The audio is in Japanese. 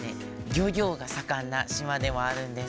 漁業が盛んな島でもあるんです。